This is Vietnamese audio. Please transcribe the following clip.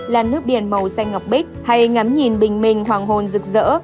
là nước biển màu xanh ngọc bích hay ngắm nhìn bình minh hoàng hôn rực rỡ